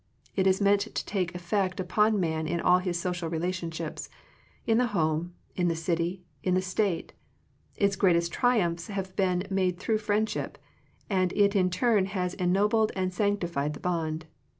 It is meant to take ef fect upon man in all his social relation ships, in the home, in the city, in the state. Its greatest triumphs have been made through friendship, and it in turn has ennobled and sanctified the bond.